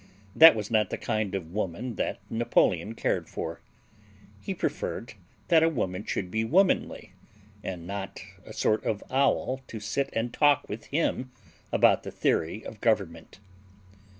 That was not the kind of woman that Napoleon cared for. He preferred that a woman should be womanly, and not a sort of owl to sit and talk with him about the theory of government.